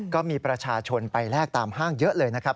ก็มีประชาชนไปแลกตามห้างเยอะเลยนะครับ